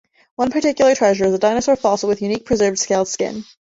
One particular treasure is a dinosaur fossil with unique, preserved scaled skin.